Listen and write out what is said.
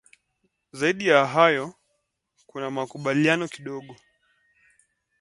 Beyond that, there is little agreement.